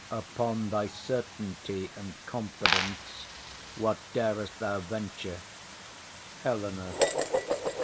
Upon thy certainty and confidence What dar'st thou venture? HELENA.